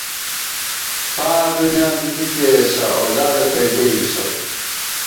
فار دُنیاں دی کی کېئیسہ اولادہ تئ ڈېئیسہ